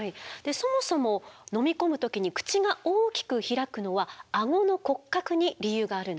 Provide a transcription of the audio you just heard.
そもそも飲み込む時に口が大きく開くのはアゴの骨格に理由があるんです。